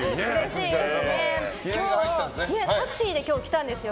今日、タクシーで来たんですよ。